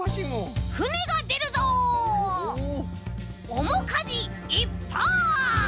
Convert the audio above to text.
おもかじいっぱい！